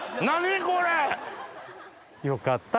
よかった。